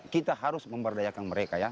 kita harus memberdayakan mereka ya